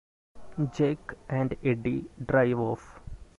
Jake and Eddie drive off.